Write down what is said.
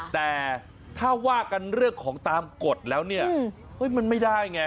แต่ถ้าว่ากันเรื่องของตามกฎแล้วเนี่ยมันไม่ได้ไง